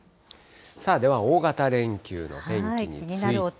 さあ、では大型連休の天気について。